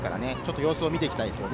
様子を見ていきたいですね。